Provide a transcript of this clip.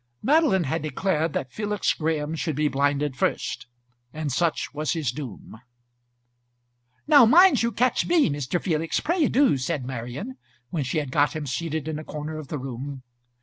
Madeline had declared that Felix Graham should be blinded first, and such was his doom. "Now mind you catch me, Mr. Felix; pray do," said Marian, when she had got him seated in a corner of the room.